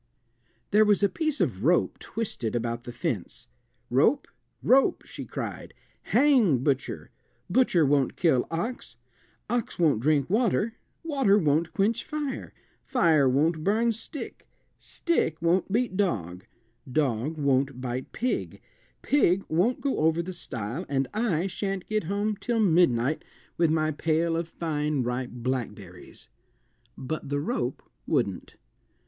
There was a piece of rope twisted about the fence. "Rope, rope," she cried, "hang butcher; butcher won't kill ox, ox won't drink water, water won't quench fire, fire won't burn stick, stick won't beat dog, dog won't bite pig, pig won't go over the stile, and I shan't get home till midnight with my pail of fine ripe blackberries." But the rope wouldn't.